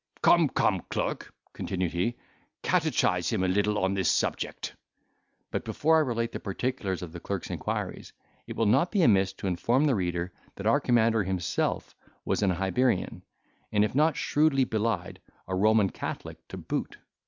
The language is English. "Come, come, clerk," continued he, "catechise him a little on this subject." But before I relate the particulars of the clerk's inquiries, it will not be amiss to inform the reader that our commander himself was an Hibernian, and, if not shrewdly belied, a Roman Catholic to boot.